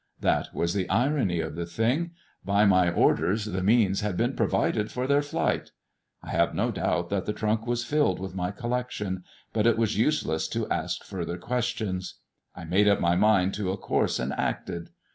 That was the irony of the thing. By my orders the means had been provided for their flight. I have no doubt that the trunk was filled with my collection, but it was useless to ask further questions ; I made up my mind to a course and acted.